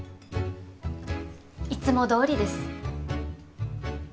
いつもどおりです。